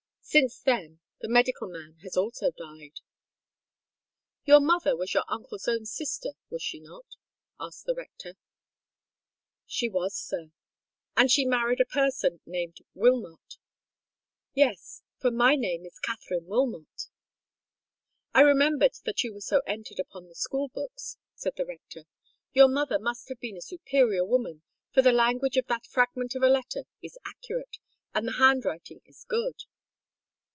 Since then the medical man has also died." "Your mother was your uncle's own sister, was she not?" asked the rector. "She was, sir." "And she married a person named Wilmot?" "Yes—for my name is Katherine Wilmot." "I remember that you were so entered upon the school books," said the rector. "Your mother must have been a superior woman, for the language of that fragment of a letter is accurate, and the handwriting is good."